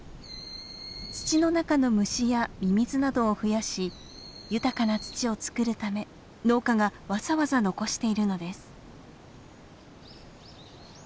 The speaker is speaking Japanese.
土の中の虫やミミズなどを増やし豊かな土を作るため農家がわざわざ残しているのです。